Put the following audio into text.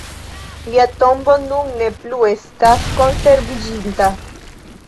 Lia tombo nun ne plu estas konserviĝinta.